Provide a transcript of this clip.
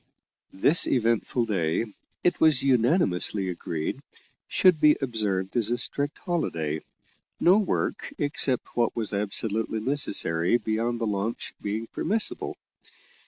This eventful day, it was unanimously agreed, should be observed as a strict holiday, no work except what was absolutely necessary beyond the launch being permissible.